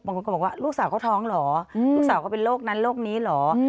ก็บอกว่าลูกสาวเขาท้องเหรอลูกสาวก็เป็นโรคนั้นโรคนี้เหรอ